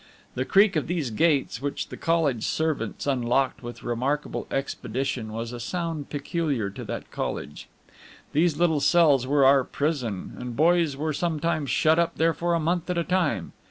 The creak of these gates, which the college servants unlocked with remarkable expedition, was a sound peculiar to that college. These little cells were our prison, and boys were sometimes shut up there for a month at a time.